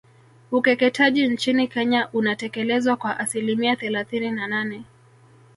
Ukeketaji nchini Kenya unatekelezwa kwa asilimia thelathini na nane